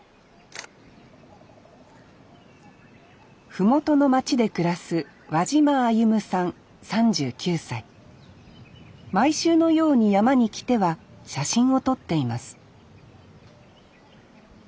麓の町で暮らす毎週のように山に来ては写真を撮っています